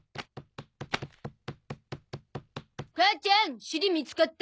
母ちゃんシリ見つかった？